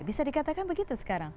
bisa dikatakan begitu sekarang